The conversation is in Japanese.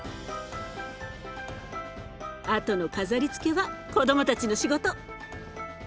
あとの飾りつけは子どもたちの仕事。